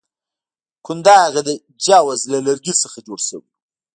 کنداغ یې د جوز له لرګي څخه جوړ شوی وو.